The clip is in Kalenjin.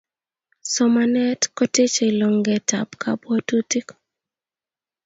somanet kotechei longet ap kapwatutik